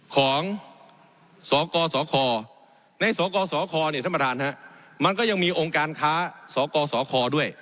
ของสกสคในสกสคเนี่ยท่านประธานมันก็ยังมีองค์การค้าสกสคด้วย